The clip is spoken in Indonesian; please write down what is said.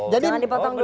jangan dipotong dulu